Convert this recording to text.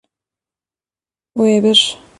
Wê bir.